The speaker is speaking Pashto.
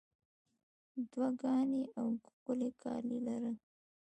دوی ګاڼې او ښکلي کالي لرل